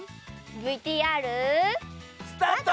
ＶＴＲ。スタート！